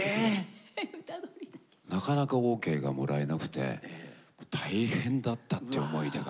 なかなかＯＫがもらえなくて大変だったっていう思い出が。